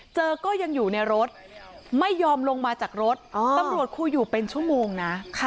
ก็ยังอยู่ในรถไม่ยอมลงมาจากรถตำรวจคุยอยู่เป็นชั่วโมงนะ